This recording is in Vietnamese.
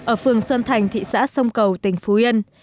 ở phường xuân thành thị xã sông cầu tỉnh phú yên